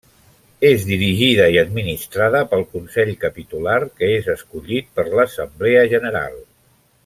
És dirigida i administrada pel Consell Capitular, que és escollit per l'assemblea general.